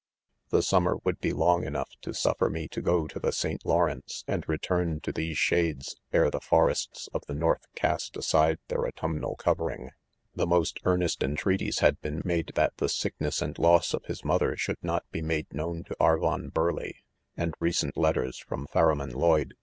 The 1 summer would be long enough to suf •ferine to go to the St. Lawrence and return to these shades, ere the forests of the North cast aside their autumnal coveringo ■'•■;■ The most earnest entreaties had been made that the sickness and loss of his mother should "not be made known to Arvon Burleigh ; and recent letters from Pharamond Lloyde.